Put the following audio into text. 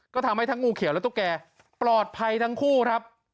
ก็ทำให้ทั้งงูเขียวและตุ๊กแกปลอดภัยทั้งคู่ครับ